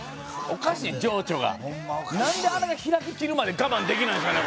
おかしい何であれが開ききるまで我慢できないかな